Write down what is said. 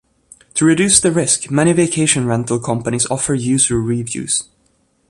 To reduce this risk, many vacation rental companies offer user reviews.